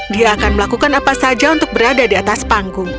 dia akan melakukan apa saja untuk berada di atas panggung